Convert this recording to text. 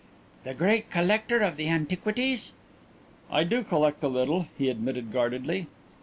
"The great collector of the antiquities?" "I do collect a little," he admitted guardedly.